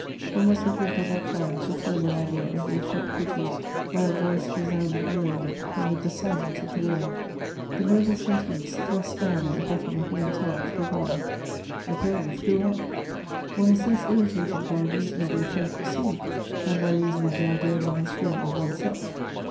One must have lived at that time to form an idea of the effect produced by a voice resounding alone amid the silence of the world. The noble sentiments thrust down at the bottom of men's hearts revived. Napoleon flew out: one is less irritated by reason of the offense received than by reason of the idea one has formed of one's self.